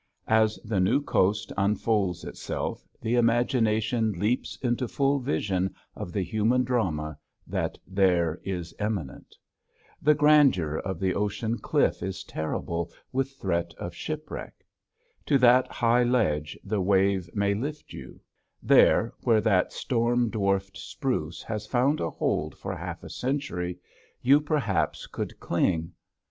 As the new coast unfolds itself the imagination leaps into full vision of the human drama that there is immanent. The grandeur of the ocean cliff is terrible with threat of shipwreck. To that high ledge the wave may lift you; there, where that storm dwarfed spruce has found a hold for half a century, you perhaps could cling.